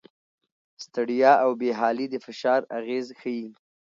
ستړیا او بې حالي د فشار اغېز ښيي.